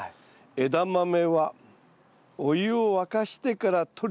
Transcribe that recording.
「枝豆はお湯を沸かしてからとりに行け」。